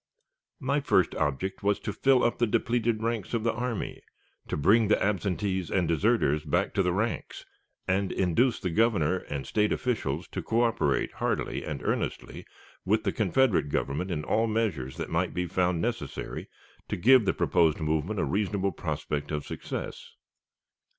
My first object was to fill up the depleted ranks of the army, to bring the absentees and deserters back to the ranks, and induce the Governor and State officials to coöperate heartily and earnestly with the Confederate Government in all measures that might be found necessary to give the proposed movement a reasonable prospect of success.